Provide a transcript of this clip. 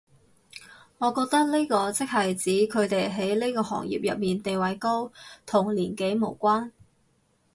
我覺得呢個即係指佢哋喺呢個行業入面地位高，同年紀無關